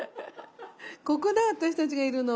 ここだ私たちがいるの。